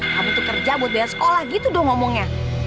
kamu tuh kerja buat bayar sekolah gitu dong ngomongnya